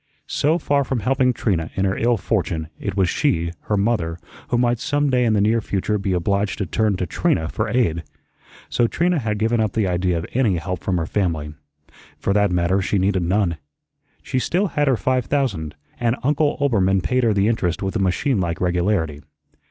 So far from helping Trina in her ill fortune, it was she, her mother, who might some day in the near future be obliged to turn to Trina for aid. So Trina had given up the idea of any help from her family. For that matter she needed none. She still had her five thousand, and Uncle Oelbermann paid her the interest with a machine like regularity.